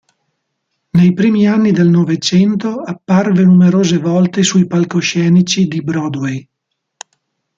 Nei primi anni del Novecento, apparve numerose volte sui palcoscenici di Broadway.